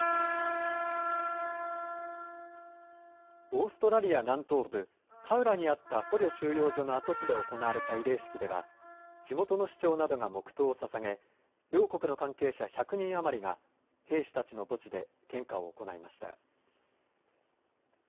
オーストラリア南東部、カウラにあった捕虜収容所の跡地で行われた慰霊式では、地元の市長などが黙とうをささげ、両国の関係者１００人余りが、兵士たちの墓地で献花を行いました。